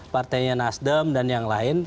partainya nasdem dan yang lain